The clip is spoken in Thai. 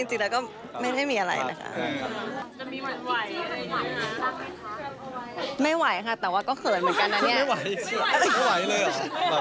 เช่นแล้วก็ไม่ได้มีอะไรนะคะ